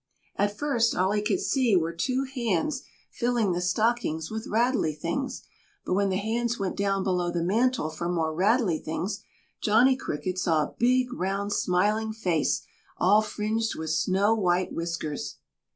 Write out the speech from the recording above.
At first all he could see were two hands filling the stockings with rattly things, but when the hands went down below the mantel for more rattly things, Johnny Cricket saw a big round smiling face all fringed with snow white whiskers.